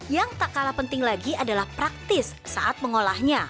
yang tak kalah penting lagi adalah praktis saat mengolahnya